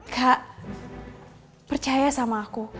kak percaya sama aku